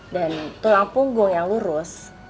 dan tulang punggung yang lurus